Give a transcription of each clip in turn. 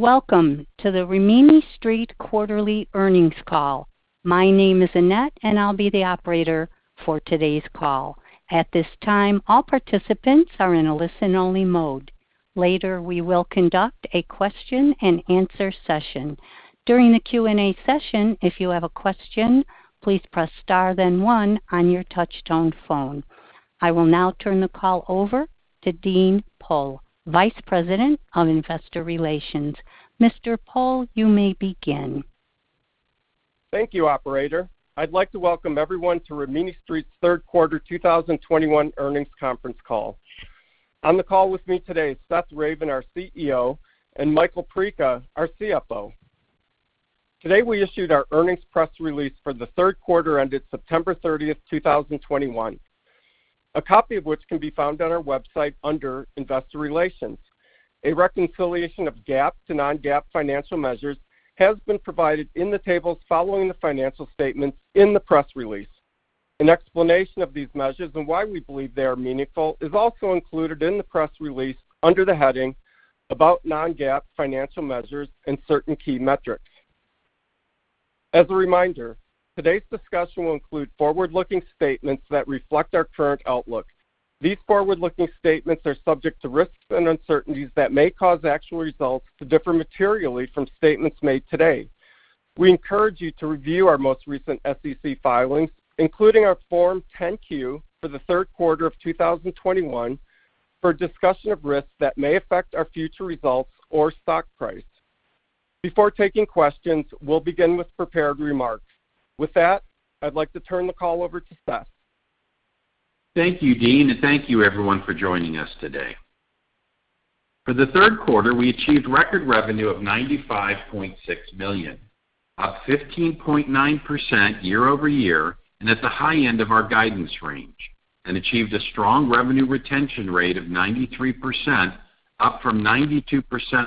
Welcome to the Rimini Street quarterly earnings call. My name is Annette, and I'll be the operator for today's call. At this time, all participants are in a listen-only mode. Later, we will conduct a question-and-answer session. During the Q&A session, if you have a question, please press star then one on your touchtone phone. I will now turn the call over to Dean Pohl, Vice President of Investor Relations. Mr. Pohl, you may begin. Thank you, operator. I'd like to welcome everyone to Rimini Street's third quarter 2021 earnings conference call. On the call with me today is Seth Ravin, our CEO, and Michael Perica, our CFO. Today, we issued our earnings press release for the third quarter ended September 30, 2021. A copy of which can be found on our website under Investor Relations. A reconciliation of GAAP to non-GAAP financial measures has been provided in the tables following the financial statements in the press release. An explanation of these measures and why we believe they are meaningful is also included in the press release under the heading, 'About Non-GAAP Financial Measures and Certain Key Metrics.' As a reminder, today's discussion will include forward-looking statements that reflect our current outlook. These forward-looking statements are subject to risks and uncertainties that may cause actual results to differ materially from statements made today. We encourage you to review our most recent SEC filings, including our Form 10-Q for the third quarter of 2021 for a discussion of risks that may affect our future results or stock price. Before taking questions, we'll begin with prepared remarks. With that, I'd like to turn the call over to Seth. Thank you, Dean, and thank you everyone for joining us today. For the third quarter, we achieved record revenue of $95.6 million, up 15.9% year-over-year and at the high end of our guidance range, and achieved a strong revenue retention rate of 93%, up from 92%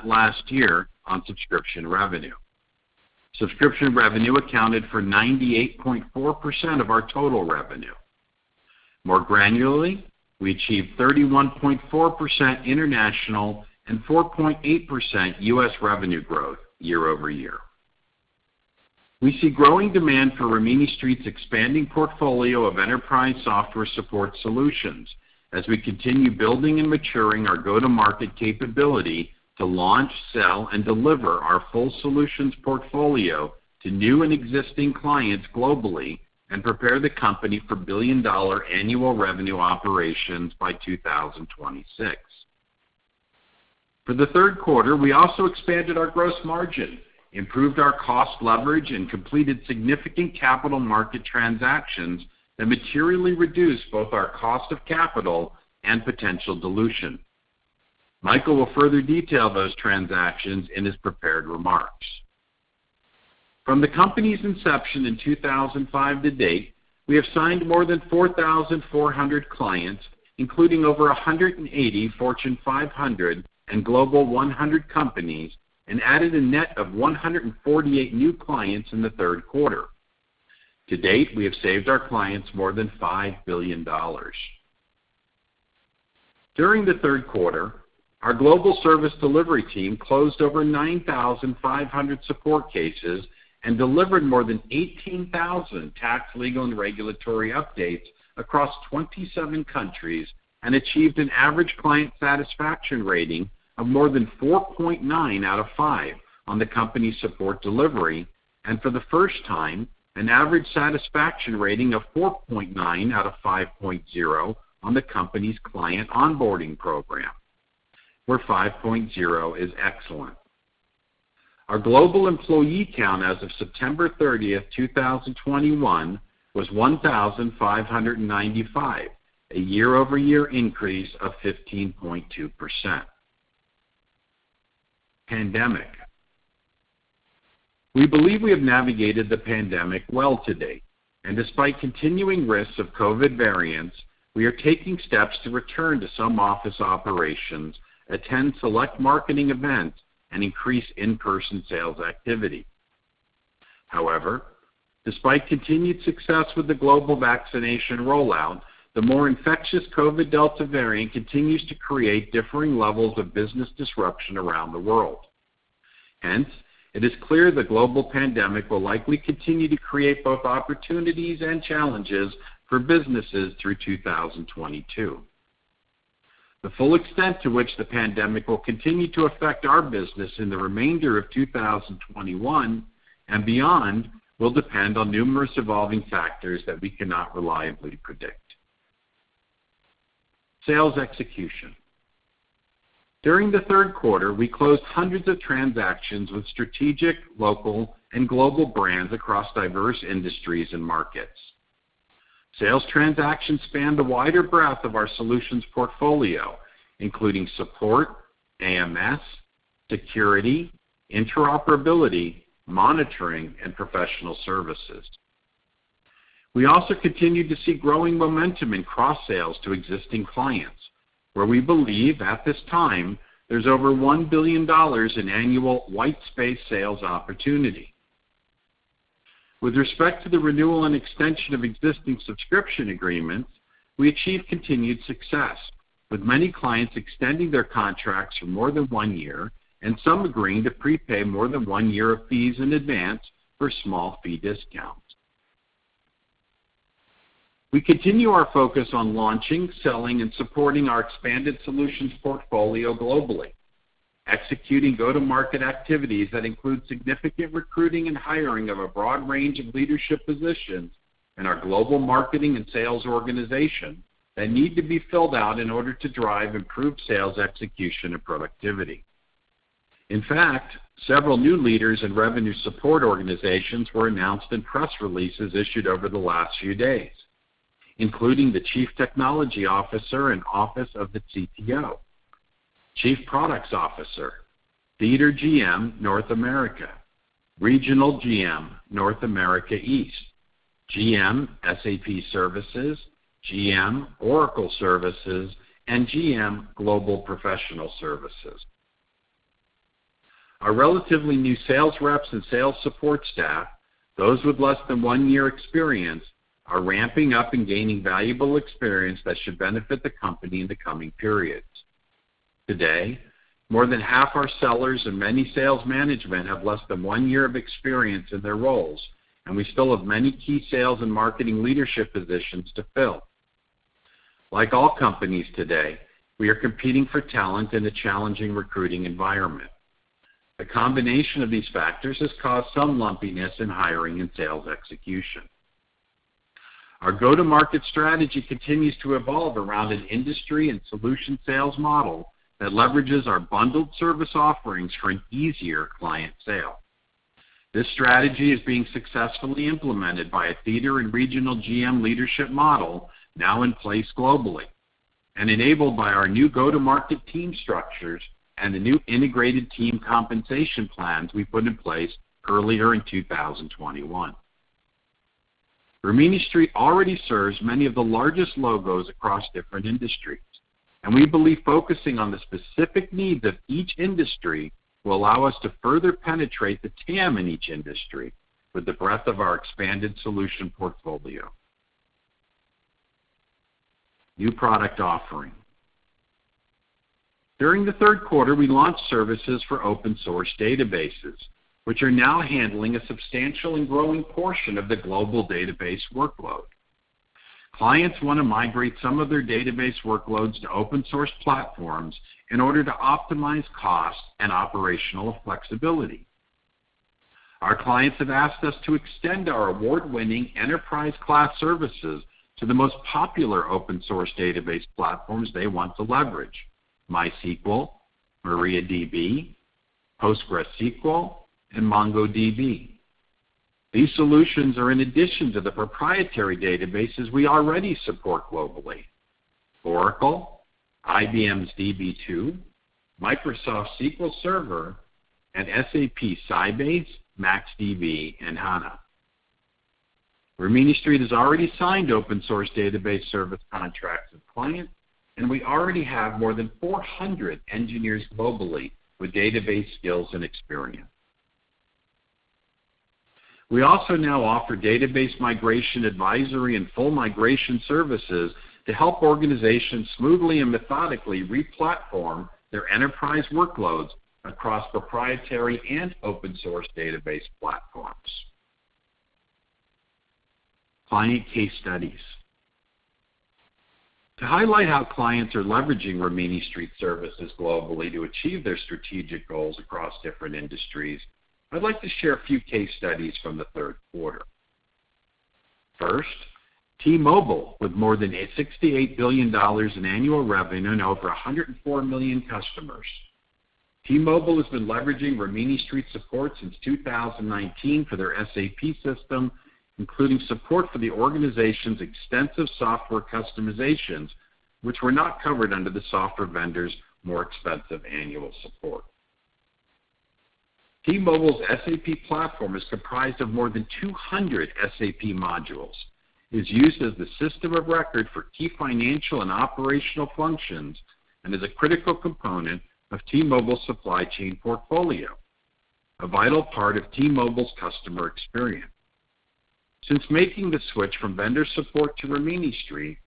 last year on subscription revenue. Subscription revenue accounted for 98.4% of our total revenue. More granularly, we achieved 31.4% international and 4.8% U.S. revenue growth year-over-year. We see growing demand for Rimini Street's expanding portfolio of enterprise software support solutions as we continue building and maturing our go-to-market capability to launch, sell, and deliver our full solutions portfolio to new and existing clients globally, and prepare the company for billion-dollar annual revenue operations by 2026. For the third quarter, we also expanded our gross margin, improved our cost leverage, and completed significant capital market transactions that materially reduced both our cost of capital and potential dilution. Michael will further detail those transactions in his prepared remarks. From the company's inception in 2005 to-date, we have signed more than 4,400 clients, including over 180 Fortune 500 and global 100 companies, and added a net of 148 new clients in the third quarter. To date, we have saved our clients more than $5 billion. During the third quarter, our global service delivery team closed over 9,500 support cases and delivered more than 18,000 tax, legal, and regulatory updates across 27 countries and achieved an average client satisfaction rating of more than 4.9 out of five on the company's support delivery, and for the first time, an average satisfaction rating of 4.9 out of 5.0 on the company's client onboarding program, where 5.0 is excellent. Our global employee count as of September 30, 2021 was 1,595, a year-over-year increase of 15.2%. Pandemic. We believe we have navigated the pandemic well to-date, and despite continuing risks of COVID variants, we are taking steps to return to some office operations, attend select marketing events, and increase in-person sales activity. However, despite continued success with the global vaccination rollout, the more infectious COVID Delta variant continues to create differing levels of business disruption around the world. Hence, it is clear the global pandemic will likely continue to create both opportunities and challenges for businesses through 2022. The full extent to which the pandemic will continue to affect our business in the remainder of 2021 and beyond will depend on numerous evolving factors that we cannot reliably predict. Sales execution. During the third quarter, we closed hundreds of transactions with strategic, local, and global brands across diverse industries and markets. Sales transactions spanned a wider breadth of our solutions portfolio, including support, AMS, security, interoperability, monitoring, and professional services. We also continued to see growing momentum in cross-sales to existing clients, where we believe at this time there's over $1 billion in annual white space sales opportunity. With respect to the renewal and extension of existing subscription agreements, we achieved continued success, with many clients extending their contracts for more than one year, and some agreeing to prepay more than one year of fees in advance for small fee discounts. We continue our focus on launching, selling, and supporting our expanded solutions portfolio globally, executing go-to-market activities that include significant recruiting and hiring of a broad range of leadership positions in our global marketing and sales organization that need to be filled out in order to drive improved sales execution and productivity. In fact, several new leaders in revenue support organizations were announced in press releases issued over the last few days, including the Chief Technology Officer and Office of the CTO, Chief Products Officer, Theater GM North America, Regional GM North America East, GM SAP Services, GM Oracle Services, and GM Global Professional Services. Our relatively new sales reps and sales support staff, those with less than one year experience, are ramping up and gaining valuable experience that should benefit the company in the coming periods. Today, more than half our sellers and many sales management have less than one year of experience in their roles, and we still have many key sales and marketing leadership positions to fill. Like all companies today, we are competing for talent in a challenging recruiting environment. The combination of these factors has caused some lumpiness in hiring and sales execution. Our go-to-market strategy continues to evolve around an industry and solution sales model that leverages our bundled service offerings for an easier client sale. This strategy is being successfully implemented by a theater and regional GM leadership model now in place globally and enabled by our new go-to-market team structures and the new integrated team compensation plans we put in place earlier in 2021. Rimini Street already serves many of the largest logos across different industries, and we believe focusing on the specific needs of each industry will allow us to further penetrate the TAM in each industry with the breadth of our expanded solution portfolio. New product offering. During the third quarter, we launched services for open source databases, which are now handling a substantial and growing portion of the global database workload. Clients want to migrate some of their database workloads to open source platforms in order to optimize cost and operational flexibility. Our clients have asked us to extend our award-winning enterprise-class services to the most popular open source database platforms they want to leverage, MySQL, MariaDB, PostgreSQL, and MongoDB. These solutions are in addition to the proprietary databases we already support globally, Oracle, IBM's Db2, Microsoft SQL Server, and SAP Sybase, MaxDB, and HANA. Rimini Street has already signed open source database service contracts with clients, and we already have more than 400 engineers globally with database skills and experience. We also now offer database migration advisory and full migration services to help organizations smoothly and methodically re-platform their enterprise workloads across proprietary and open source database platforms. Client case studies. To highlight how clients are leveraging Rimini Street services globally to achieve their strategic goals across different industries, I'd like to share a few case studies from the third quarter. First, T-Mobile, with more than $68 billion in annual revenue and over 104 million customers. T-Mobile has been leveraging Rimini Street support since 2019 for their SAP system, including support for the organization's extensive software customizations, which were not covered under the software vendor's more expensive annual support. T-Mobile's SAP platform is comprised of more than 200 SAP modules. It is used as the system of record for key financial and operational functions and is a critical component of T-Mobile's supply chain portfolio, a vital part of T-Mobile's customer experience. Since making the switch from vendor support to Rimini Street,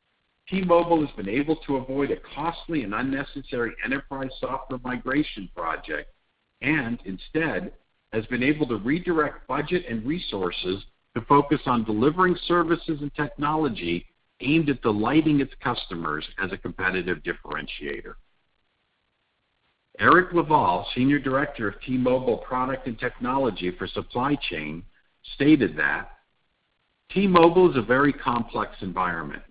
T-Mobile has been able to avoid a costly and unnecessary enterprise software migration project, and instead has been able to redirect budget and resources to focus on delivering services and technology aimed at delighting its customers as a competitive differentiator. Erik LaValle, Senior Director of T-Mobile Product and Technology for Supply Chain, stated that T-Mobile is a very complex environment.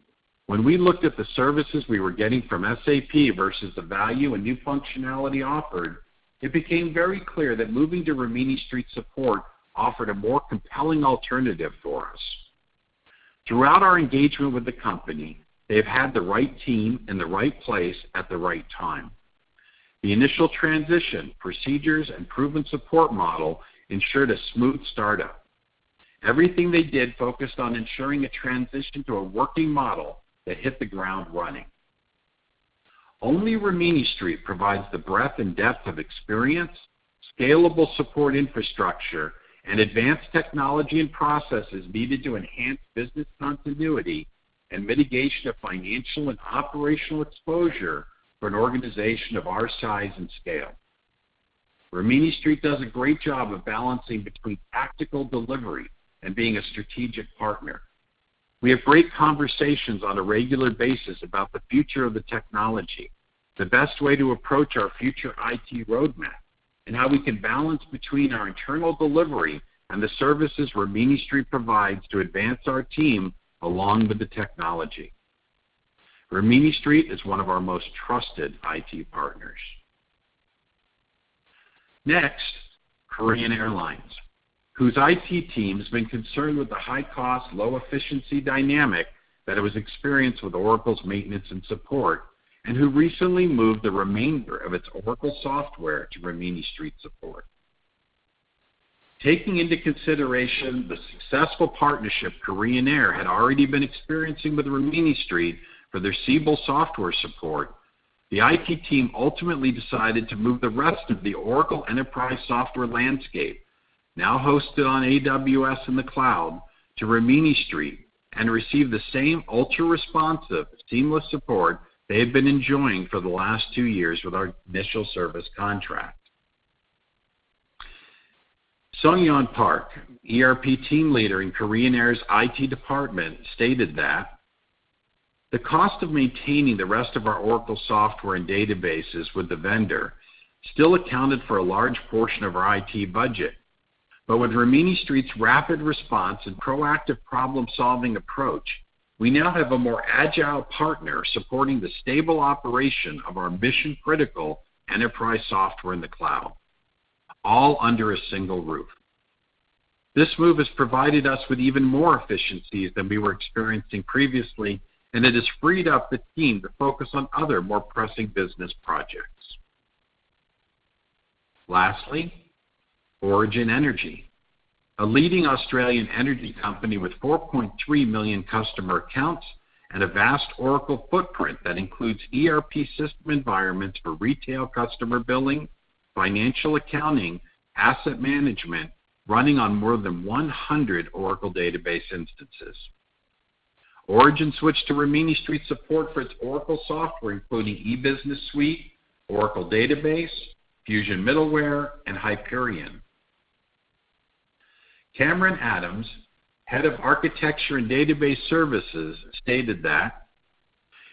When we looked at the services we were getting from SAP versus the value and new functionality offered, it became very clear that moving to Rimini Street support offered a more compelling alternative for us. Throughout our engagement with the company, they have had the right team in the right place at the right time. The initial transition, procedures, and proven support model ensured a smooth startup. Everything they did focused on ensuring a transition to a working model that hit the ground running. Only Rimini Street provides the breadth and depth of experience, scalable support infrastructure, and advanced technology and processes needed to enhance business continuity and mitigation of financial and operational exposure for an organization of our size and scale. Rimini Street does a great job of balancing between tactical delivery and being a strategic partner. We have great conversations on a regular basis about the future of the technology, the best way to approach our future IT roadmap, and how we can balance between our internal delivery and the services Rimini Street provides to advance our team along with the technology. Rimini Street is one of our most trusted IT partners. Next, Korean Air Lines, whose IT team has been concerned with the high cost, low efficiency dynamic that it was experiencing with Oracle's maintenance and support, and who recently moved the remainder of its Oracle software to Rimini Street support. Taking into consideration the successful partnership Korean Air had already been experiencing with Rimini Street for their Siebel software support, the IT team ultimately decided to move the rest of the Oracle enterprise software landscape, now hosted on AWS in the cloud, to Rimini Street and receive the same ultra-responsive, seamless support they had been enjoying for the last two years with our initial service contract. Sungyeon Park, ERP Team Leader in Korean Air's IT department, stated that, "The cost of maintaining the rest of our Oracle software and databases with the vendor still accounted for a large portion of our IT budget. With Rimini Street's rapid response and proactive problem-solving approach, we now have a more agile partner supporting the stable operation of our mission-critical enterprise software in the cloud, all under a single roof. This move has provided us with even more efficiencies than we were experiencing previously, and it has freed up the team to focus on other more pressing business projects. Lastly, Origin Energy, a leading Australian energy company with 4.3 million customer accounts and a vast Oracle footprint that includes ERP system environments for retail customer billing, financial accounting, asset management, running on more than 100 Oracle Database instances. Origin switched to Rimini Street support for its Oracle software, including E-Business Suite, Oracle Database, Fusion Middleware, and Hyperion. Cameron Adams, Head of Architecture and Database Services, stated that,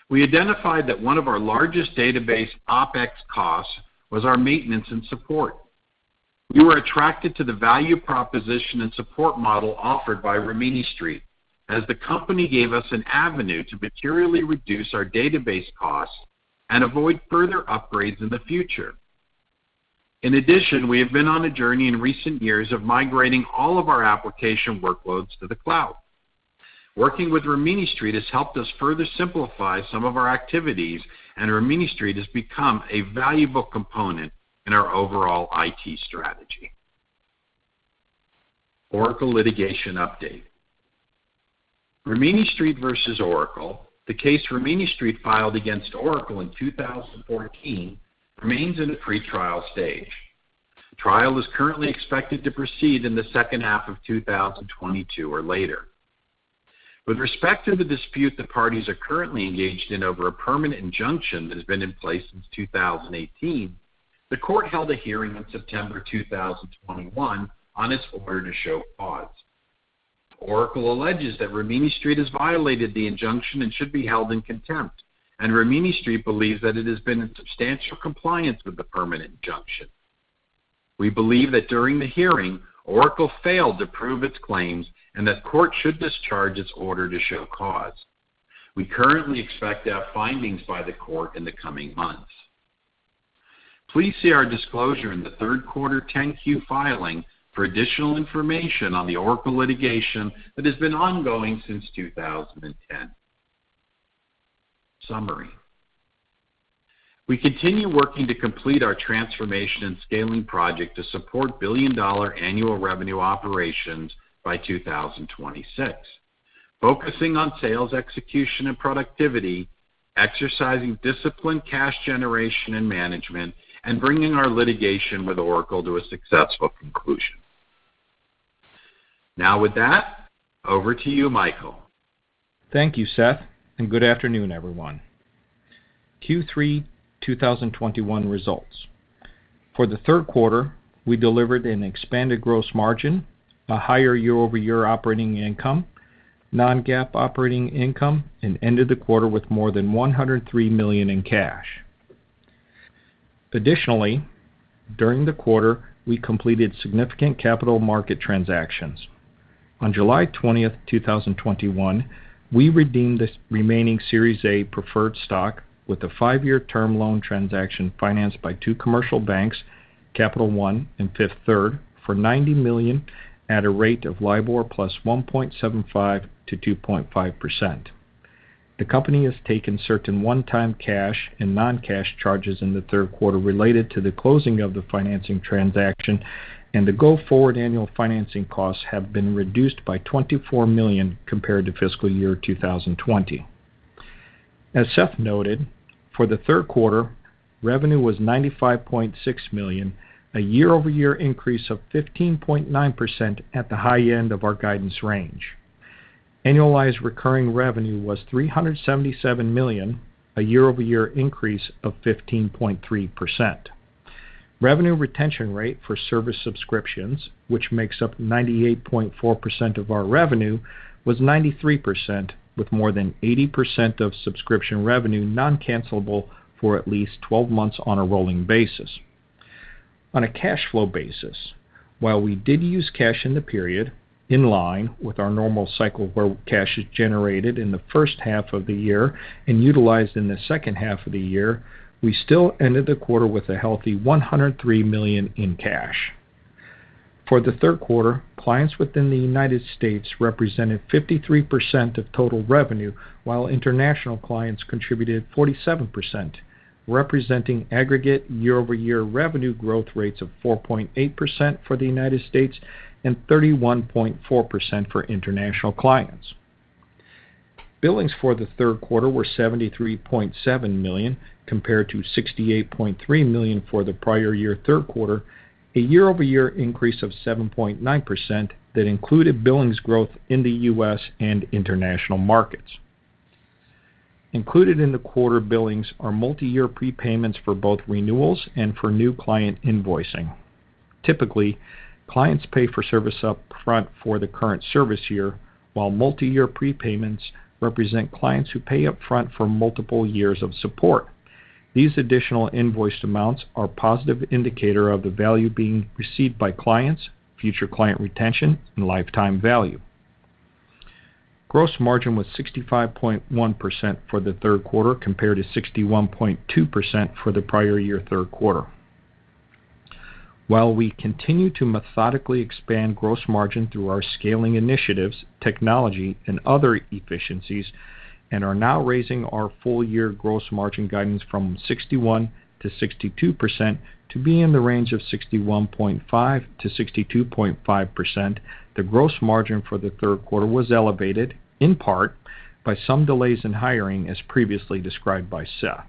"We identified that one of our largest database OpEx costs was our maintenance and support. We were attracted to the value proposition and support model offered by Rimini Street, as the company gave us an avenue to materially reduce our database costs and avoid further upgrades in the future. In addition, we have been on a journey in recent years of migrating all of our application workloads to the cloud. Working with Rimini Street has helped us further simplify some of our activities, and Rimini Street has become a valuable component in our overall IT strategy. Oracle litigation update. Rimini Street versus Oracle, the case Rimini Street filed against Oracle in 2014, remains in the pre-trial stage. Trial is currently expected to proceed in the second half of 2022 or later. With respect to the dispute the parties are currently engaged in over a permanent injunction that has been in place since 2018, the court held a hearing on September 2021 on its order to show cause. Oracle alleges that Rimini Street has violated the injunction and should be held in contempt, and Rimini Street believes that it has been in substantial compliance with the permanent injunction. We believe that during the hearing, Oracle failed to prove its claims and that court should discharge its order to show cause. We currently expect to have findings by the court in the coming months. Please see our disclosure in the third quarter 10-Q filing for additional information on the Oracle litigation that has been ongoing since 2010. Summary. We continue working to complete our transformation and scaling project to support billion-dollar annual revenue operations by 2026, focusing on sales execution and productivity, exercising disciplined cash generation and management, and bringing our litigation with Oracle to a successful conclusion. Now with that, over to you, Michael. Thank you, Seth, and good afternoon, everyone. Q3 2021 results. For the third quarter, we delivered an expanded gross margin, a higher year-over-year operating income, non-GAAP operating income, and ended the quarter with more than $103 million in cash. Additionally, during the quarter, we completed significant capital market transactions. On July 20, 2021, we redeemed the remaining Series A Preferred Stock with a five-year term loan transaction financed by two commercial banks, Capital One and Fifth Third, for $90 million at a rate of LIBOR plus 1.75%-2.5%. The company has taken certain one-time cash and non-cash charges in the third quarter related to the closing of the financing transaction, and the go-forward annual financing costs have been reduced by $24 million compared to fiscal year 2020. As Seth noted, for the third quarter, revenue was $95.6 million, a year-over-year increase of 15.9% at the high end of our guidance range. Annualized recurring revenue was $377 million, a year-over-year increase of 15.3%. Revenue retention rate for service subscriptions, which makes up 98.4% of our revenue, was 93%, with more than 80% of subscription revenue non-cancelable for at least 12 months on a rolling basis. On a cash flow basis, while we did use cash in the period, in line with our normal cycle where cash is generated in the first half of the year and utilized in the second half of the year, we still ended the quarter with a healthy $103 million in cash. For the third quarter, clients within the United States represented 53% of total revenue, while international clients contributed 47%, representing aggregate year-over-year revenue growth rates of 4.8% for the United States and 31.4% for international clients. Billings for the third quarter were $73.7 million compared to $68.3 million for the prior year third quarter, a year-over-year increase of 7.9% that included billings growth in the U.S. and international markets. Included in the quarter billings are multiyear prepayments for both renewals and for new client invoicing. Typically, clients pay for service up front for the current service year, while multiyear prepayments represent clients who pay upfront for multiple years of support. These additional invoiced amounts are a positive indicator of the value being received by clients, future client retention, and lifetime value. Gross margin was 65.1% for the third quarter, compared to 61.2% for the prior year third quarter. While we continue to methodically expand gross margin through our scaling initiatives, technology and other efficiencies, and are now raising our full-year gross margin guidance from 61%-62% to be in the range of 61.5%-62.5%, the gross margin for the third quarter was elevated, in part, by some delays in hiring, as previously described by Seth.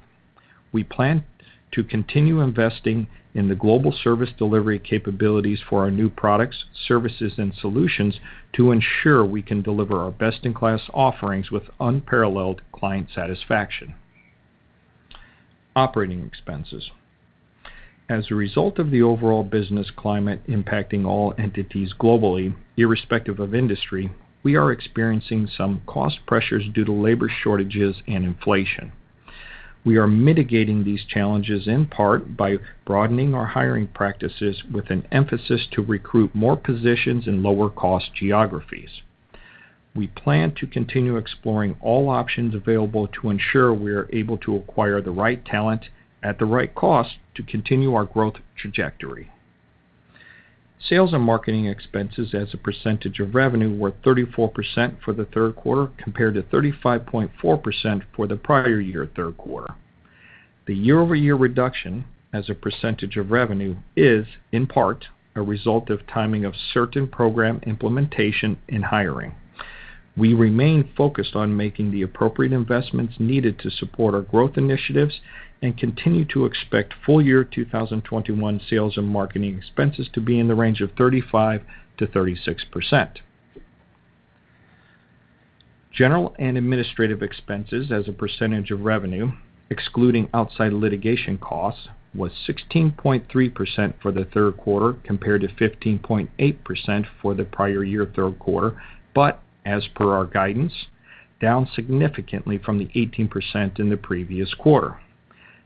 We plan to continue investing in the global service delivery capabilities for our new products, services, and solutions to ensure we can deliver our best-in-class offerings with unparalleled client satisfaction. Operating expenses. As a result of the overall business climate impacting all entities globally, irrespective of industry, we are experiencing some cost pressures due to labor shortages and inflation. We are mitigating these challenges in part by broadening our hiring practices with an emphasis to recruit more positions in lower cost geographies. We plan to continue exploring all options available to ensure we are able to acquire the right talent at the right cost to continue our growth trajectory. Sales and marketing expenses as a percentage of revenue were 34% for the third quarter, compared to 35.4% for the prior year third quarter. The year-over-year reduction as a percentage of revenue is, in part, a result of timing of certain program implementation and hiring. We remain focused on making the appropriate investments needed to support our growth initiatives and continue to expect full-year 2021 sales and marketing expenses to be in the range of 35%-36%. General and administrative expenses as a percentage of revenue, excluding outside litigation costs, was 16.3% for the third quarter, compared to 15.8% for the prior year third quarter, but as per our guidance, down significantly from the 18% in the previous quarter.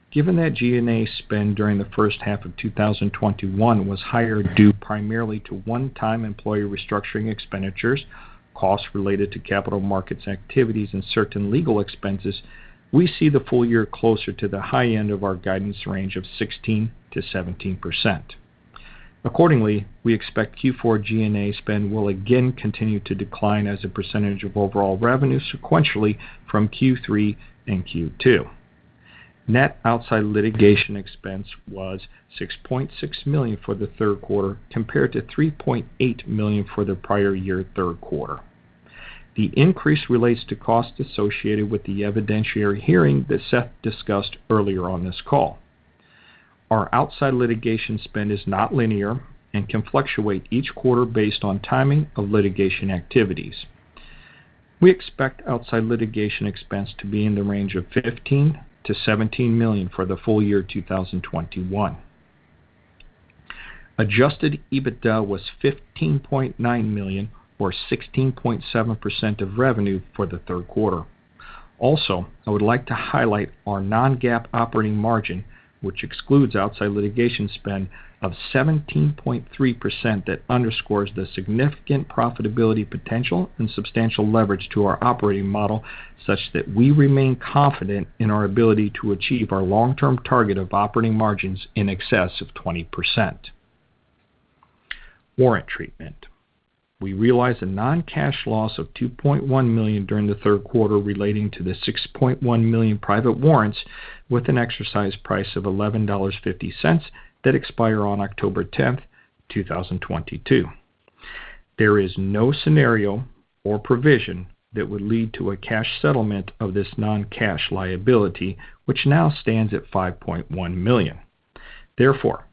Given that G&A spend during the first half of 2021 was higher due primarily to one-time employee restructuring expenditures, costs related to capital markets activities, and certain legal expenses, we see the full year closer to the high end of our guidance range of 16%-17%. Accordingly, we expect Q4 G&A spend will again continue to decline as a percentage of overall revenue sequentially from Q3 and Q2. Net outside litigation expense was $6.6 million for the third quarter, compared to $3.8 million for the prior year third quarter. The increase relates to costs associated with the evidentiary hearing that Seth discussed earlier on this call. Our outside litigation spend is not linear and can fluctuate each quarter based on timing of litigation activities. We expect outside litigation expense to be in the range of $15 million-$17 million for the full year 2021. Adjusted EBITDA was $15.9 million or 16.7% of revenue for the third quarter. Also, I would like to highlight our non-GAAP operating margin, which excludes outside litigation spend of 17.3% that underscores the significant profitability potential and substantial leverage to our operating model, such that we remain confident in our ability to achieve our long-term target of operating margins in excess of 20%. Warrant treatment. We realized a non-cash loss of $2.1 million during the third quarter relating to the 6.1 million private warrants with an exercise price of $11.50 that expire on October 10, 2022. There is no scenario or provision that would lead to a cash settlement of this non-cash liability, which now stands at $5.1 million. Therefore,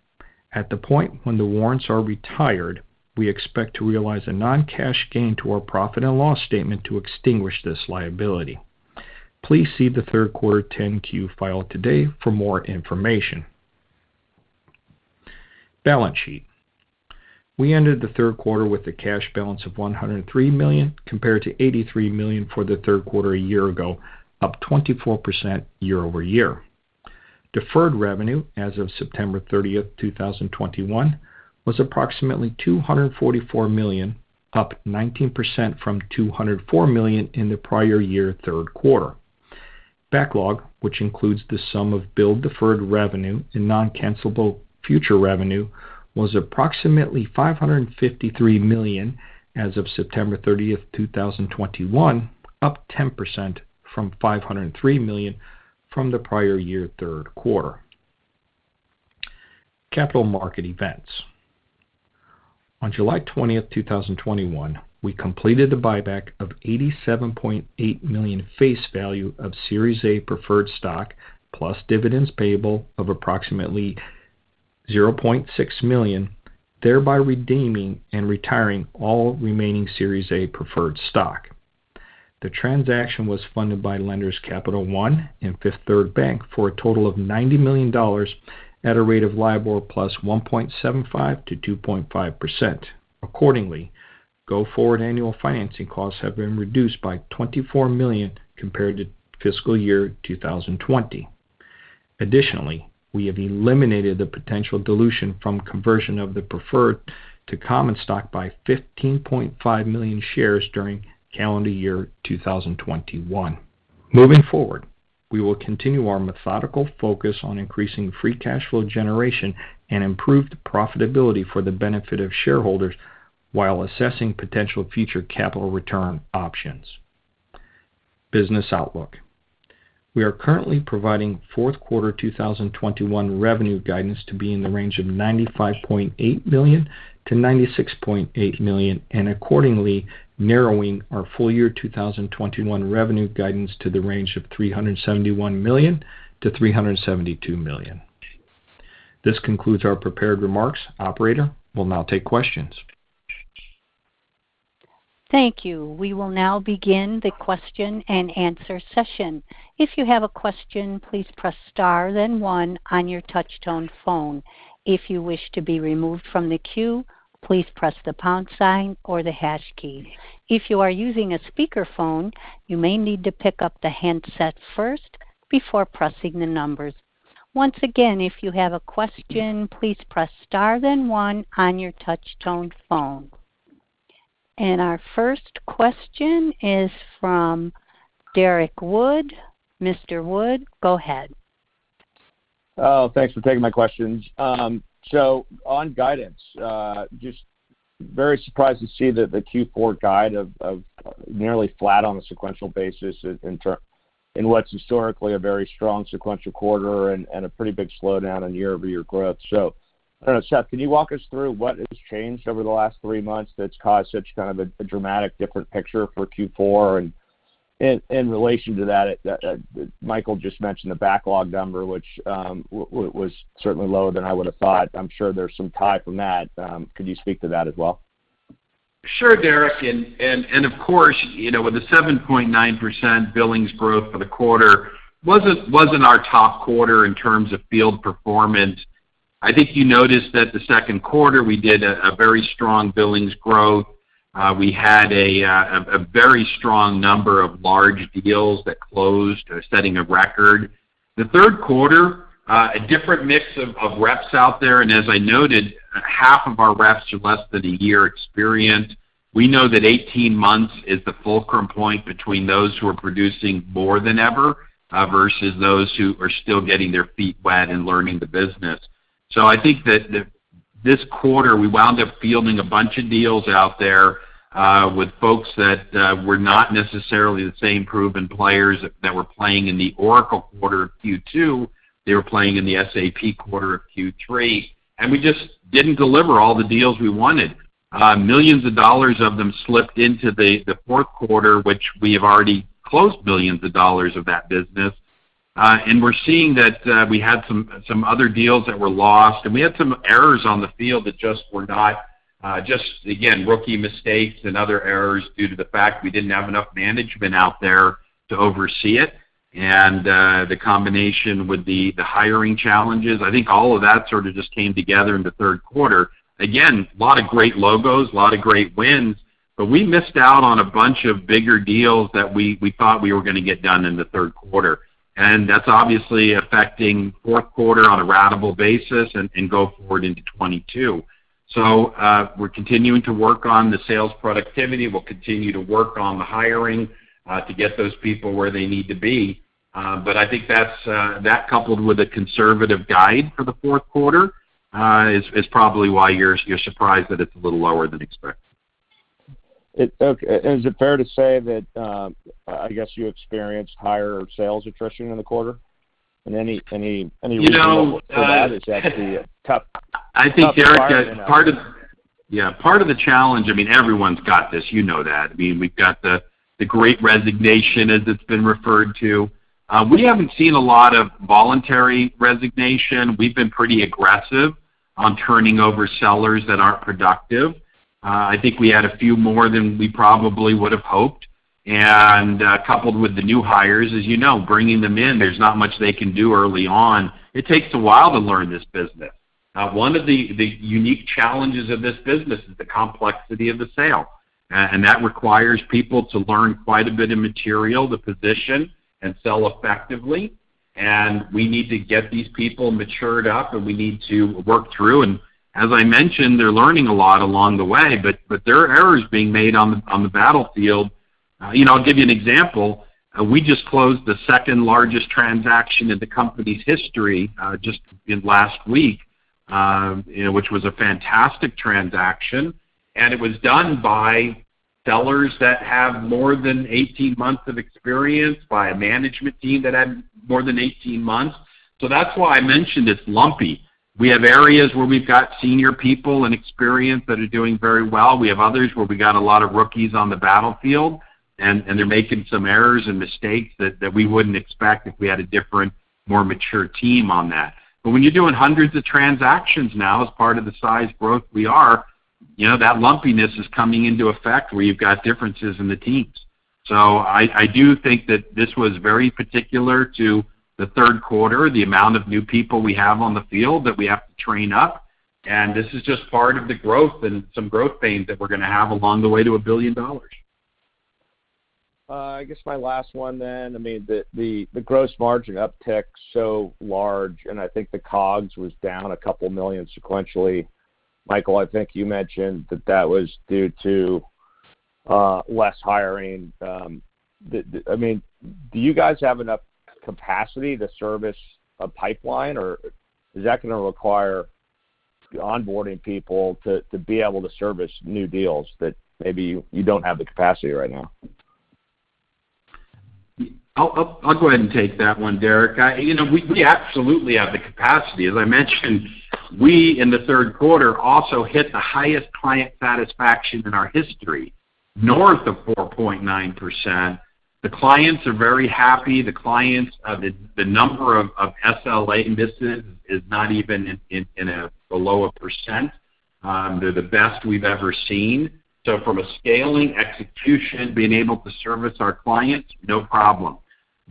at the point when the warrants are retired, we expect to realize a non-cash gain to our profit and loss statement to extinguish this liability. Please see the third quarter 10-Q filed today for more information. Balance sheet. We ended the third quarter with a cash balance of $103 million, compared to $83 million for the third quarter a year ago, up 24% year-over-year. Deferred revenue as of September 30, 2021 was approximately $244 million, up 19% from $204 million in the prior-year third quarter. Backlog, which includes the sum of billed deferred revenue and non-cancelable future revenue, was approximately $553 million as of September 30, 2021, up 10% from $503 million from the prior-year third quarter. Capital market events. On July 20, 2021, we completed the buyback of $87.8 million face value of Series A Preferred Stock, plus dividends payable of approximately $0.6 million, thereby redeeming and retiring all remaining Series A Preferred Stock. The transaction was funded by lenders Capital One and Fifth Third Bank for a total of $90 million at a rate of LIBOR plus 1.75%-2.5%. Accordingly, going forward annual financing costs have been reduced by $24 million compared to fiscal year 2020. Additionally, we have eliminated the potential dilution from conversion of the preferred to common stock by 15.5 million shares during calendar year 2021. Moving forward, we will continue our methodical focus on increasing free cash flow generation and improved profitability for the benefit of shareholders while assessing potential future capital return options. Business outlook. We are currently providing fourth quarter 2021 revenue guidance to be in the range of $95.8 million-$96.8 million, and accordingly narrowing our full-year 2021 revenue guidance to the range of $371 million-$372 million. This concludes our prepared remarks. Operator, we'll now take questions. Thank you. We will now begin the question and answer session. If you have a question, please press star then one on your touch-tone phone. If you wish to be removed from the queue, please press the pound sign or the hash key. If you are using a speakerphone, you may need to pick up the handset first before pressing the numbers. Once again, if you have a question, please press star then one on your touch-tone phone. Our first question is from Derrick Wood. Mr. Wood, go ahead. Oh, thanks for taking my questions. On guidance, just very surprised to see that the Q4 guide of nearly flat on a sequential basis in what's historically a very strong sequential quarter and a pretty big slowdown in year-over-year growth. Seth, can you walk us through what has changed over the last three months that's caused such a dramatic different picture for Q4? In relation to that, Michael just mentioned the backlog number, which was certainly lower than I would have thought. I'm sure there's some tie from that. Could you speak to that as well? Sure, Derrick. Of course, you know, with the 7.9% billings growth for the quarter, it wasn't our top quarter in terms of field performance. I think you noticed that the second quarter, we did a very strong billings growth. We had a very strong number of large deals that closed, setting a record. The third quarter, a different mix of reps out there, and as I noted, half of our reps are less than a year experienced. We know that 18 months is the fulcrum point between those who are producing more than ever versus those who are still getting their feet wet and learning the business. I think that this quarter, we wound up fielding a bunch of deals out there with folks that were not necessarily the same proven players that were playing in the Oracle quarter of Q2. They were playing in the SAP quarter of Q3. We just didn't deliver all the deals we wanted. Millions of dollars of them slipped into the fourth quarter, which we have already closed billions of dollars of that business. We're seeing that we had some other deals that were lost, and we had some errors on the field that just were not again rookie mistakes and other errors due to the fact we didn't have enough management out there to oversee it. The combination with the hiring challenges, I think all of that sort of just came together in the third quarter. Again, a lot of great logos, a lot of great wins, but we missed out on a bunch of bigger deals that we thought we were gonna get done in the third quarter. That's obviously affecting fourth quarter on a ratable basis and go forward into 2022. We're continuing to work on the sales productivity. We'll continue to work on the hiring to get those people where they need to be. But I think that's that coupled with a conservative guide for the fourth quarter is probably why you're surprised that it's a little lower than expected. Okay. Is it fair to say that, I guess you experienced higher sales attrition in the quarter? Any reason for that? You know... Is that the top part in a... I think, Derrick, part of the challenge. I mean, everyone's got this, you know that. I mean, we've got the Great Resignation as it's been referred to. We haven't seen a lot of voluntary resignation. We've been pretty aggressive on turning over sellers that aren't productive. I think we had a few more than we probably would have hoped. Coupled with the new hires, as you know, bringing them in, there's not much they can do early on. It takes a while to learn this business. One of the unique challenges of this business is the complexity of the sale. That requires people to learn quite a bit of material to position and sell effectively. We need to get these people matured up, and we need to work through. As I mentioned, they're learning a lot along the way, but there are errors being made on the battlefield. You know, I'll give you an example. We just closed the second-largest transaction in the company's history, just in last week, you know, which was a fantastic transaction. It was done by sellers that have more than 18 months of experience, by a management team that had more than 18 months. That's why I mentioned it's lumpy. We have areas where we've got senior people and experience that are doing very well. We have others where we got a lot of rookies on the battlefield, and they're making some errors and mistakes that we wouldn't expect if we had a different, more mature team on that. When you're doing hundreds of transactions now as part of the size growth we are, you know, that lumpiness is coming into effect where you've got differences in the teams. I do think that this was very particular to the third quarter, the amount of new people we have on the field that we have to train up. This is just part of the growth and some growth pains that we're gonna have along the way to $1 billion. I guess my last one then. I mean, the gross margin uptick so large, and I think the COGS was down $2 million sequentially. Michael, I think you mentioned that that was due to less hiring. I mean, do you guys have enough capacity to service a pipeline, or is that gonna require onboarding people to be able to service new deals that maybe you don't have the capacity right now? I'll go ahead and take that one, Derek. You know, we absolutely have the capacity. As I mentioned, we in the third quarter also hit the highest client satisfaction in our history, north of 4.9%. The clients are very happy. The number of SLA misses is not even below a percent. They're the best we've ever seen. From a scaling execution, being able to service our clients, no problem.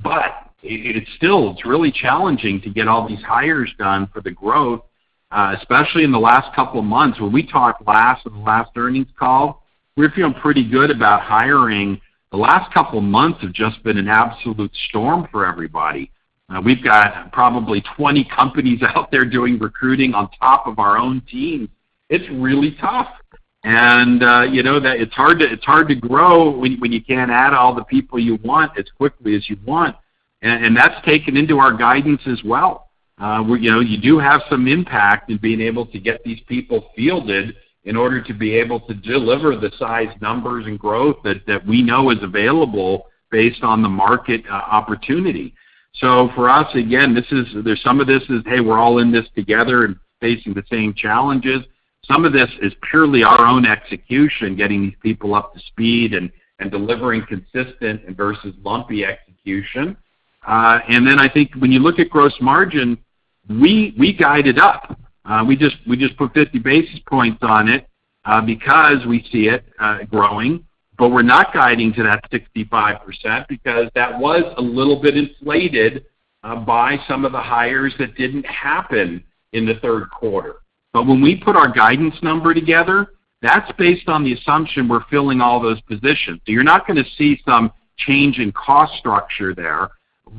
But it's still really challenging to get all these hires done for the growth, especially in the last couple of months. When we talked in the last earnings call, we're feeling pretty good about hiring. The last couple of months have just been an absolute storm for everybody. We've got probably 20 companies out there doing recruiting on top of our own team. It's really tough. You know, it's hard to grow when you can't add all the people you want as quickly as you want. That's taken into our guidance as well. You know, you do have some impact in being able to get these people fielded in order to be able to deliver the size, numbers, and growth that we know is available based on the market opportunity. For us, again, this is. There's some of this, hey, we're all in this together and facing the same challenges. Some of this is purely our own execution, getting these people up to speed and delivering consistent versus lumpy execution. I think when you look at gross margin, we guided up. We just put 50 basis points on it because we see it growing. We're not guiding to that 65% because that was a little bit inflated by some of the hires that didn't happen in the third quarter. When we put our guidance number together, that's based on the assumption we're filling all those positions. You're not gonna see some change in cost structure there.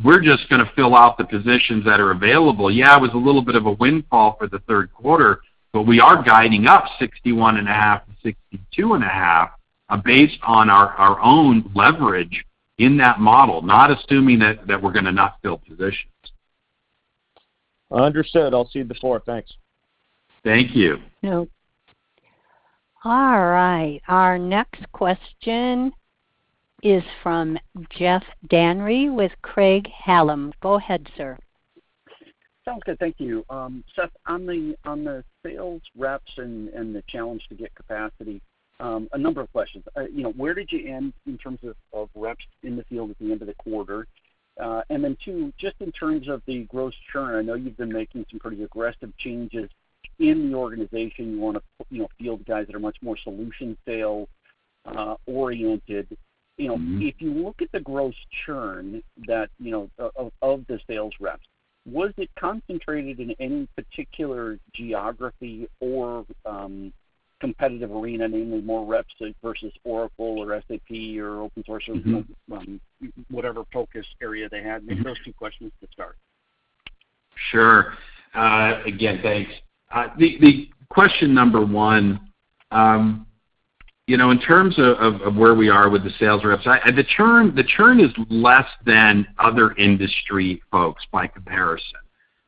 We're just gonna fill out the positions that are available. Yeah, it was a little bit of a windfall for the third quarter, but we are guiding up 61.5%-62.5%, based on our own leverage in that model, not assuming that we're gonna not fill positions. Understood. I'll cede the floor. Thanks. Thank you. All right. Our next question is from Jeff Van Rhee with Craig-Hallum. Go ahead, sir. Sounds good. Thank you. Seth, on the sales reps and the challenge to get capacity, a number of questions. You know, where did you end in terms of reps in the field at the end of the quarter? And then two, just in terms of the gross churn, I know you've been making some pretty aggressive changes in the organization. You wanna field guys that are much more solution sales oriented. Mm-hmm. You know, if you look at the gross churn that, you know, of the sales reps, was it concentrated in any particular geography or, competitive arena, namely more reps versus Oracle or SAP or open source? Mm-hmm From whatever focus area they had? Maybe those two questions to start. Sure. Again, thanks. The question number one, you know, in terms of where we are with the sales reps, the churn is less than other industry folks by comparison.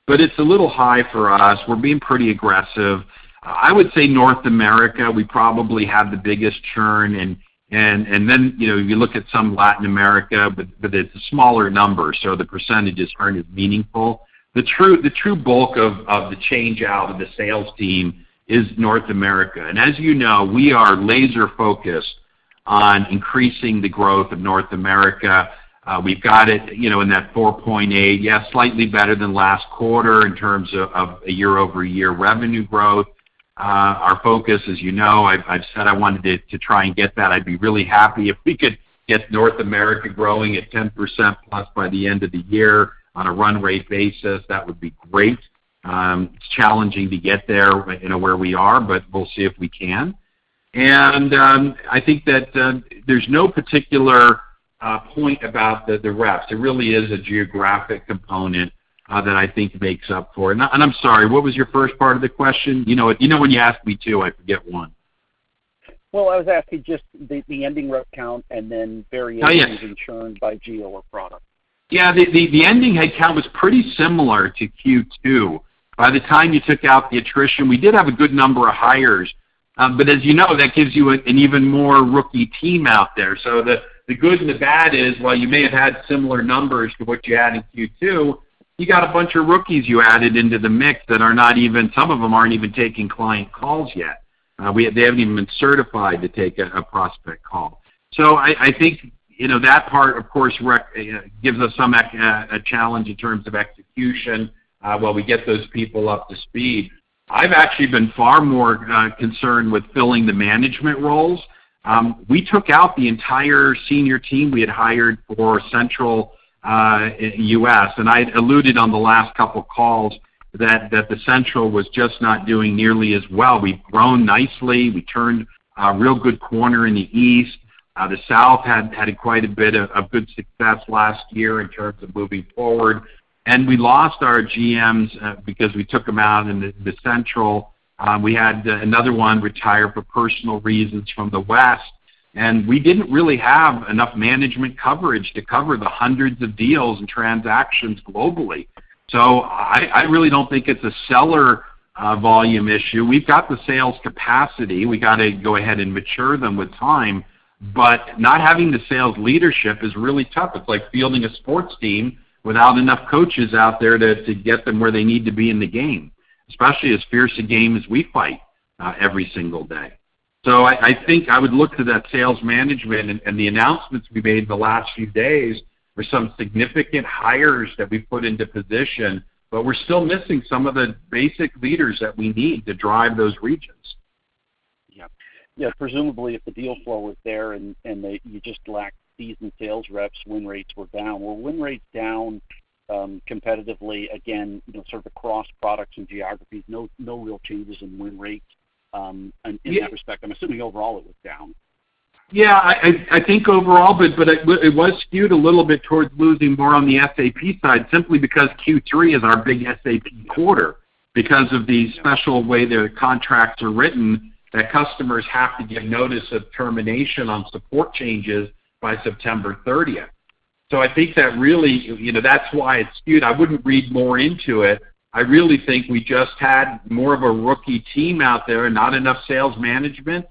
But it's a little high for us. We're being pretty aggressive. I would say North America, we probably had the biggest churn and then, you know, you look at some Latin America, but it's a smaller number, so the percentages aren't as meaningful. The true bulk of the change out of the sales team is North America. As you know, we are laser-focused on increasing the growth of North America. We've got it, you know, in that 4.8%. Yes, slightly better than last quarter in terms of a year-over-year revenue growth. Our focus, as you know, I've said I wanted it to try and get that. I'd be really happy if we could get North America growing at 10% plus by the end of the year on a run rate basis. That would be great. It's challenging to get there, you know, where we are, but we'll see if we can. I think that there's no particular point about the reps. It really is a geographic component that I think makes up for. I'm sorry, what was your first part of the question? You know, if you know when you ask me two, I forget one. Well, I was asking just the ending rep count. Oh, yeah. And then variations in churn by geo or product. Yeah. The ending headcount was pretty similar to Q2. By the time you took out the attrition, we did have a good number of hires. As you know, that gives you an even more rookie team out there. The good and the bad is, while you may have had similar numbers to what you had in Q2, you got a bunch of rookies you added into the mix, some of them aren't even taking client calls yet. They haven't even been certified to take a prospect call. I think, you know, that part, of course, gives us a challenge in terms of execution while we get those people up to speed. I've actually been far more concerned with filling the management roles. We took out the entire senior team we had hired for Central U.S. I'd alluded on the last couple of calls that the Central was just not doing nearly as well. We've grown nicely. We turned a real good corner in the East. The South had quite a bit of good success last year in terms of moving forward. We lost our GMs because we took them out in the Central. We had another one retire for personal reasons from the West. We didn't really have enough management coverage to cover the hundreds of deals and transactions globally. I really don't think it's a sales volume issue. We've got the sales capacity. We got to go ahead and mature them with time. Not having the sales leadership is really tough. It's like fielding a sports team without enough coaches out there to get them where they need to be in the game, especially as fierce a game as we fight every single day. I think I would look to that sales management and the announcements we made the last few days were some significant hires that we put into position, but we're still missing some of the basic leaders that we need to drive those regions. Yeah. Yeah. Presumably, if the deal flow was there and you just lacked seasoned sales reps, win rates were down. Were win rates down, competitively again, you know, sort of across products and geographies, no real changes in win rate, in that respect? I'm assuming overall it was down. Yeah. I think overall, but it was skewed a little bit towards losing more on the SAP side simply because Q3 is our big SAP quarter, because of the special way their contracts are written that customers have to give notice of termination on support changes by September 30th. So I think that really, you know, that's why it's skewed. I wouldn't read more into it. I really think we just had more of a rookie team out there and not enough sales management,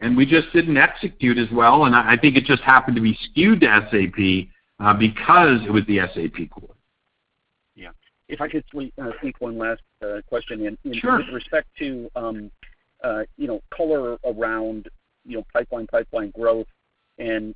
and we just didn't execute as well. I think it just happened to be skewed to SAP because it was the SAP quarter. Yeah. If I could squeak one last question in. Sure. With respect to, you know, color around, you know, pipeline growth, and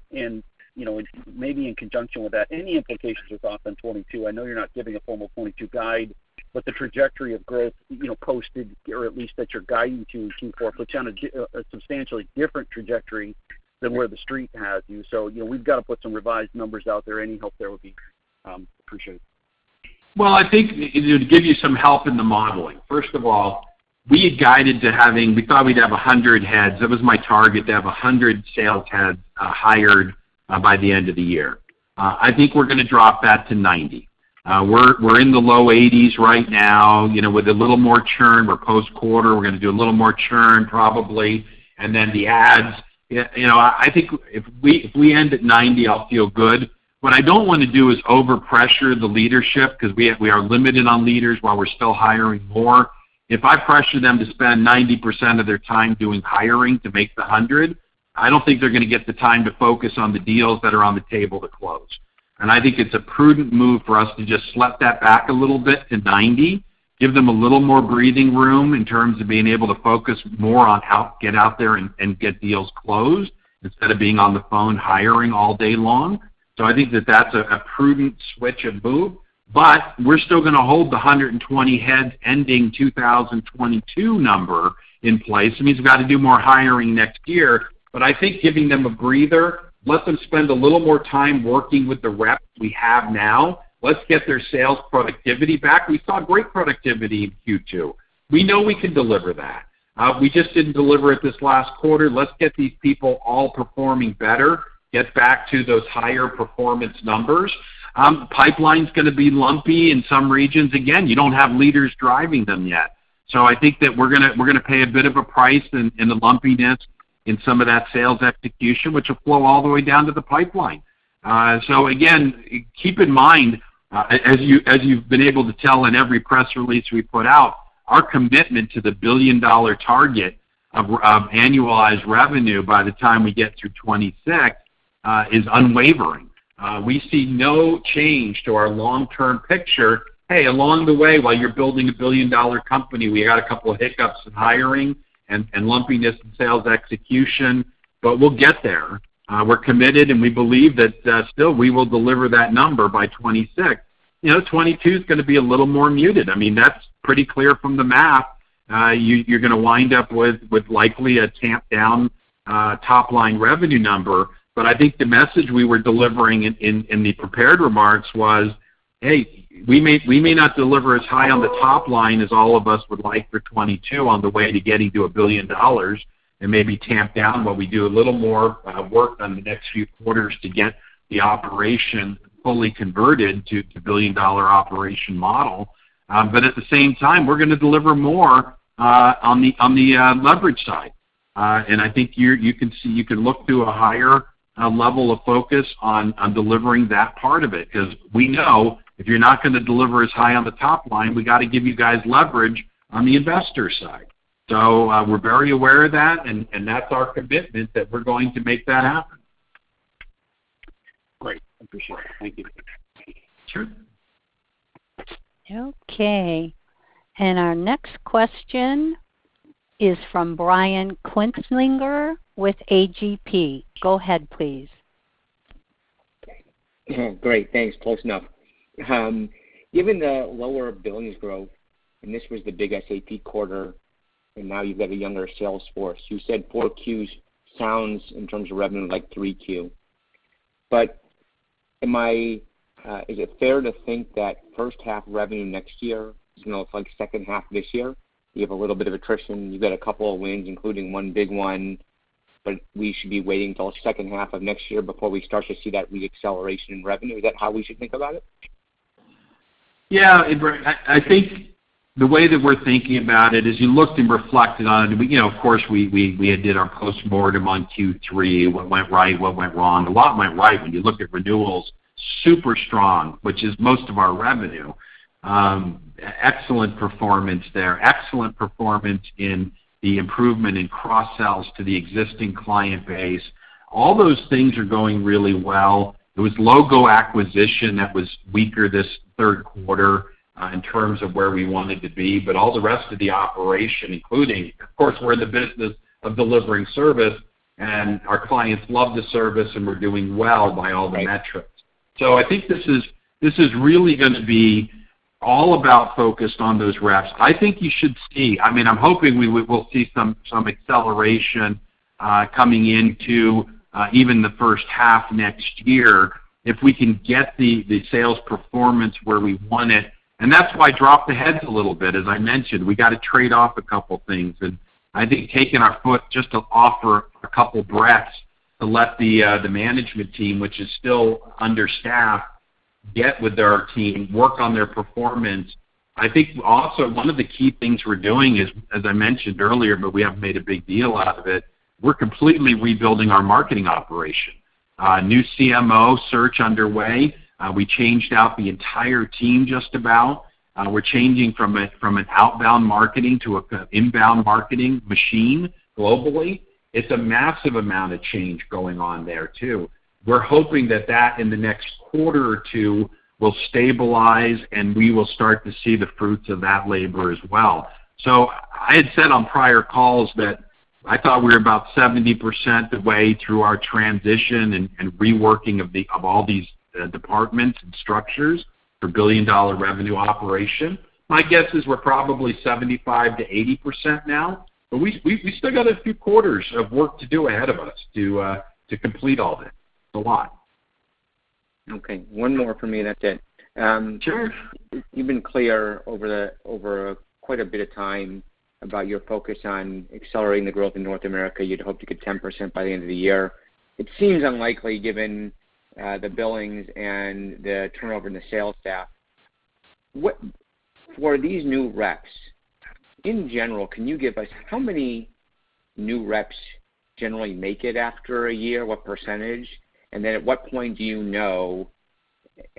you know, maybe in conjunction with that, any implications with OpEx 2022. I know you're not giving a formal 2022 guide, but the trajectory of growth, you know, posted or at least that you're guiding to in Q4, puts you on a substantially different trajectory than where the Street has you. You know, we've got to put some revised numbers out there. Any help there would be appreciated. Well, I think it would give you some help in the modeling. First of all, we had guided to having. We thought we'd have 100 heads. That was my target, to have 100 sales heads hired by the end of the year. I think we're gonna drop that to 90. We're in the low 80s right now. You know, with a little more churn, we're post-quarter, we're gonna do a little more churn probably. Then the adds, you know, I think if we end at 90, I'll feel good. What I don't wanna do is overpressure the leadership because we are limited on leaders while we're still hiring more. If I pressure them to spend 90% of their time doing hiring to make the 100, I don't think they're gonna get the time to focus on the deals that are on the table to close. I think it's a prudent move for us to just slip that back a little bit to 90, give them a little more breathing room in terms of being able to focus more on how to get out there and get deals closed instead of being on the phone hiring all day long. I think that that's a prudent switch of move. We're still gonna hold the 120 heads ending 2022 number in place. It means we've got to do more hiring next year. I think giving them a breather, let them spend a little more time working with the reps we have now. Let's get their sales productivity back. We saw great productivity in Q2. We know we can deliver that. We just didn't deliver it this last quarter. Let's get these people all performing better, get back to those higher performance numbers. Pipeline's gonna be lumpy in some regions. Again, you don't have leaders driving them yet. I think that we're gonna pay a bit of a price in the lumpiness in some of that sales execution, which will flow all the way down to the pipeline. Again, keep in mind, as you've been able to tell in every press release we put out, our commitment to the billion-dollar target of annualized revenue by the time we get through 2026 is unwavering. We see no change to our long-term picture. Hey, along the way, while you're building a billion-dollar company, we had a couple of hiccups in hiring and lumpiness in sales execution, but we'll get there. We're committed, and we believe that still, we will deliver that number by 2026. You know, 2022 is gonna be a little more muted. I mean, that's pretty clear from the math. You're gonna wind up with likely a tamped-down top-line revenue number. I think the message we were delivering in the prepared remarks was, hey, we may not deliver as high on the top line as all of us would like for 2022 on the way to getting to $1 billion. It may be tamped down while we do a little more work on the next few quarters to get the operation fully converted to the billion-dollar operation model. At the same time, we're gonna deliver more on the leverage side. I think here you can see you can look to a higher level of focus on delivering that part of it 'cause we know if you're not gonna deliver as high on the top line, we gotta give you guys leverage on the investor side. We're very aware of that, and that's our commitment that we're going to make that happen. Great. Appreciate it. Thank you. Sure. Okay. Our next question is from Brian Kinstlinger with AGP. Go ahead, please. Great. Thanks. Close enough. Given the lower billings growth, and this was the big SAP quarter, and now you've got a younger sales force, you said 4Q sounds in terms of revenue, like 3Q. But is it fair to think that first-half revenue next year is gonna look like second half this year? You have a little bit of attrition. You've got a couple of wins, including one big one, but we should be waiting till second half of next year before we start to see that reacceleration in revenue. Is that how we should think about it? Yeah. Brian, I think the way that we're thinking about it is you looked and reflected on it. You know, of course, we had did our postmortem on Q3, what went right, what went wrong. A lot went right when you looked at renewals, super strong, which is most of our revenue. Excellent performance there. Excellent performance in the improvement in cross-sells to the existing client base. All those things are going really well. It was logo acquisition that was weaker this third quarter, in terms of where we wanted to be. All the rest of the operation, including, of course, we're in the business of delivering service, and our clients love the service, and we're doing well by all the metrics. I think this is really gonna be all about focused on those reps. I think you should see. I mean, I'm hoping we will see some acceleration coming into even the first half next year if we can get the sales performance where we want it. That's why I dropped the heads a little bit. As I mentioned, we gotta trade off a couple things. I think taking our foot just to offer a couple breathers to let the management team, which is still understaffed, get with their team, work on their performance. I think also one of the key things we're doing is, as I mentioned earlier, but we haven't made a big deal out of it, we're completely rebuilding our marketing operation, a new CMO search underway. We changed out the entire team just about. We're changing from an outbound marketing to a kind of inbound marketing machine globally. It's a massive amount of change going on there, too. We're hoping that in the next quarter or two will stabilize, and we will start to see the fruits of that labor as well. I had said on prior calls that I thought we were about 70% the way through our transition and reworking of all these departments and structures for billion-dollar revenue operation. My guess is we're probably 75%-80% now, but we still got a few quarters of work to do ahead of us to complete all this. It's a lot. Okay, one more for me, and that's it. Sure. You've been clear over quite a bit of time about your focus on accelerating the growth in North America. You'd hoped to get 10% by the end of the year. It seems unlikely given the billings and the turnover in the sales staff. For these new reps, in general, can you give us how many new reps generally make it after a year? What percentage? At what point do you know?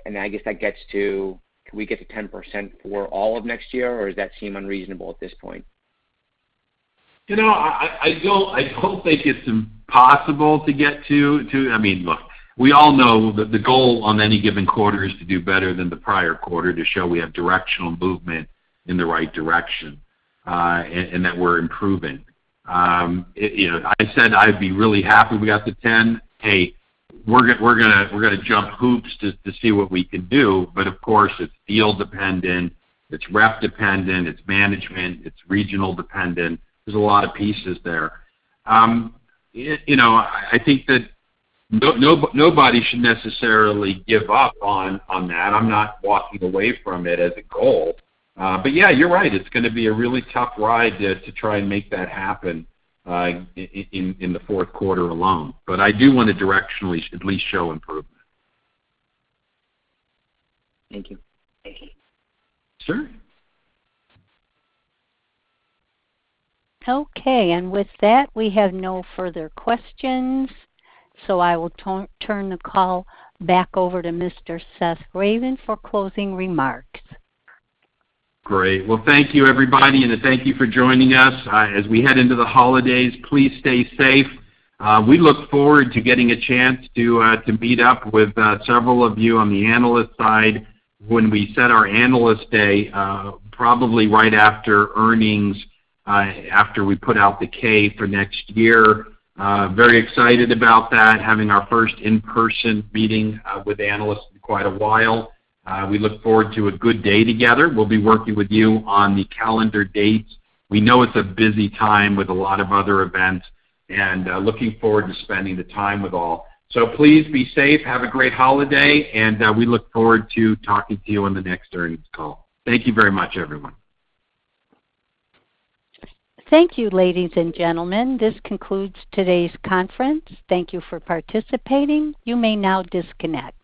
I guess that gets to, can we get to 10% for all of next year, or does that seem unreasonable at this point? You know, I don't think it's impossible to get to. I mean, look, we all know that the goal on any given quarter is to do better than the prior quarter to show we have directional movement in the right direction, and that we're improving. You know, I said I'd be really happy if we got to 10. Hey, we're gonna jump hoops to see what we can do. Of course, it's field dependent, it's rep dependent, it's management, it's regional dependent. There's a lot of pieces there. You know, I think that nobody should necessarily give up on that. I'm not walking away from it as a goal. Yeah, you're right. It's gonna be a really tough ride to try and make that happen in the fourth quarter alone. I do wanna directionally at least show improvement. Thank you. Sure. Okay. With that, we have no further questions, so I will turn the call back over to Mr. Seth Ravin for closing remarks. Great. Well, thank you, everybody, and thank you for joining us. As we head into the holidays, please stay safe. We look forward to getting a chance to meet up with several of you on the analyst side when we set our Analyst Day, probably right after earnings, after we put out the K for next year. Very excited about that, having our first in-person meeting with analysts in quite a while. We look forward to a good day together. We'll be working with you on the calendar dates. We know it's a busy time with a lot of other events, and looking forward to spending the time with all. Please be safe, have a great holiday, and we look forward to talking to you on the next earnings call. Thank you very much, everyone. Thank you, ladies and gentlemen. This concludes today's conference. Thank you for participating. You may now disconnect.